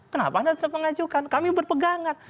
kenapa anda tetap mengajukan kami berpegangan